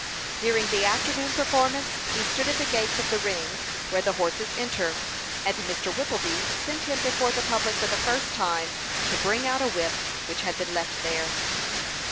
During the afternoon performance, he stood at the gates of the ring, where the horses enter; and Mr. Whippleby sent him before the public for the first time, to bring out a whip which had been left there.